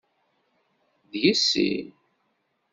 D yessi!